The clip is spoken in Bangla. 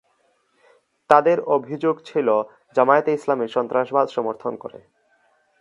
তাদের অভিযোগ ছিল জামায়াতে ইসলামী সন্ত্রাসবাদ সমর্থন করে।